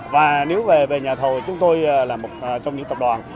và nếu về nhà thầu chúng tôi là một trong những tập đoàn